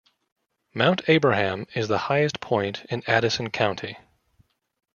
Mount Abraham is the highest point in Addison County.